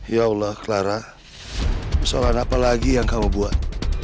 ya allah clara persoalan apa lagi yang kamu buat